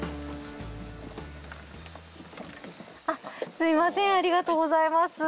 すみませんありがとうございます。